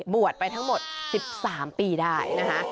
บวชไปทั้งหมด๑๓ปีได้นะคะ